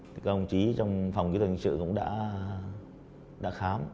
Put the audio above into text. các ông chí trong phòng kỹ thuật nghiệp sự cũng đã khám